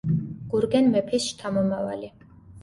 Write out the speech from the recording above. გურგენ მეფის შთამომავალი.